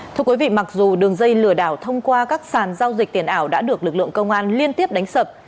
thưa quý vị mặc dù đường dây lừa đảo thông qua các sàn giao dịch tiền ảo đã được lực lượng công an liên tiếp đánh sập